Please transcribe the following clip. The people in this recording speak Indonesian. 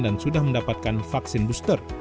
dan sudah mendapatkan vaksin booster